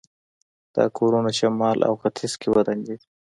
دا کورونه شمال او ختیځ کې ودانېږي.